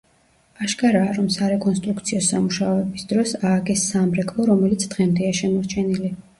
აშკარაა, რომ სარეკონსტრუქციო სამუშაოების დროს ააგეს სამრეკლო, რომელიც დღემდეა შემორჩენილი.